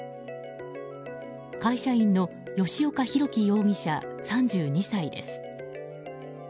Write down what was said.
会社員の吉岡宏基容疑者、３２歳です。